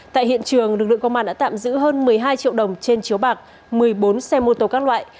tại hiện trường lực lượng công an đã tạm giữ hơn một mươi hai triệu đồng trên chiếu bạc một mươi bốn xe mô tô các loại